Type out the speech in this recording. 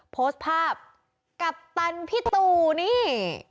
โพสต์ภาพกัปตันพี่ตูนี่